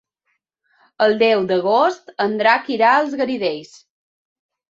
El deu d'agost en Drac irà als Garidells.